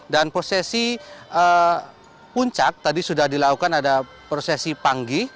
dan prosesi puncak tadi sudah dilakukan ada prosesi panggi